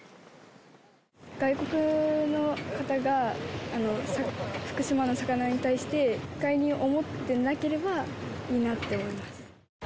外国の方が、福島の魚に対して、不快に思っていなければいいなって思います。